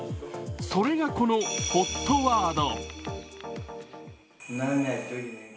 それがこのＨＯＴワード。